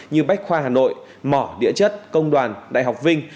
như bách khoa hà nội mỏ địa chất công đoàn đại học vinh